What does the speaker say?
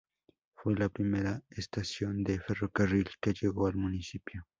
Fue la primera estación de ferrocarril que llegó al municipio.